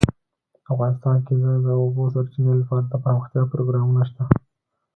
افغانستان کې د د اوبو سرچینې لپاره دپرمختیا پروګرامونه شته.